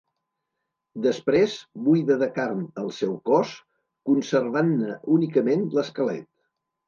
Després buida de carn el seu cos, conservant-ne únicament l'esquelet.